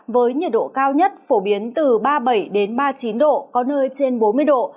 với nhiệt độ cao nhất phổ biến từ ba mươi bảy ba mươi chín độ có nơi trên bốn mươi độ